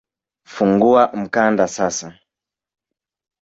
Fungua mkanda sasa